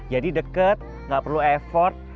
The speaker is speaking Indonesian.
jadi deket gak perlu effort